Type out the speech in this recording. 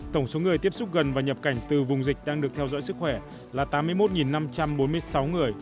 tổng số người tiếp xúc gần và nhập cảnh từ vùng dịch đang được theo dõi sức khỏe là tám mươi một năm trăm bốn mươi sáu người